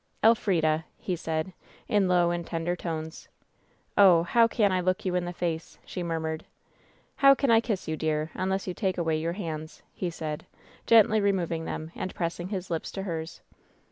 "Elfrida," he said, in low and tender tones. "Oh, how can I look you in the face ?" she murmured. "How can I kiss you, dear, unless you take away your hands ?» he said, gently removing them and pressing his lips to hers.